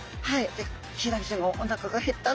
ヒイラギちゃんがおなかが減ったな。